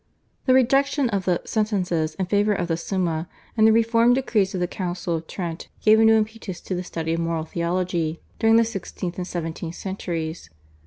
The rejection of the /Sentences/ in favour of the /Summa/, and the reform decrees of the Council of Trent gave a new impetus to the study of moral theology during the sixteenth and seventeenth centuries.